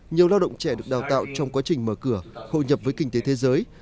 nhiều lao động trẻ được đào tạo trong quá trình mở cửa hội nhập với kinh tế thế giới